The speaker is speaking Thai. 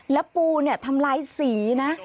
แล้วปูเนี่ยทำลายสีนะ